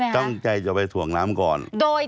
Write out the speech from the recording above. ตั้งใจจะไปถ่วงน้ำก่อน